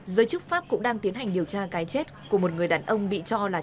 giới chức pháp cũng đang tiến hành điều tra cái chết của một người đàn ông bị cho là